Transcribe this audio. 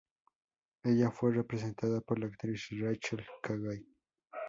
Ella fue representada por la actriz Rachel Chagall.